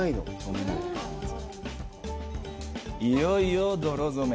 いよいよ泥染め。